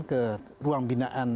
ke ruang binaan